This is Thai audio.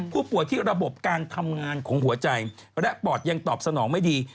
ผู้ป่วยที่ระบบการทำงานของหัวใจและปอดยังตอบสนองไม่ดี